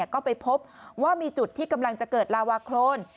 ก็ไปพบว่ามีจุดที่กำลังจะเกิดลาวาโครน